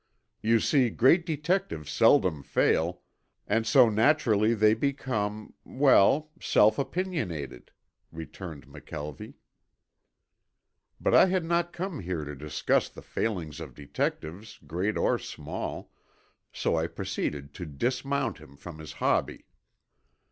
You see great detectives seldom fail, and so naturally they become well self opinionated," returned McKelvie. But I had not come there to discuss the failings of detectives, great or small, so I proceeded to dismount him from his hobby.